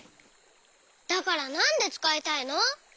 だからなんでつかいたいの？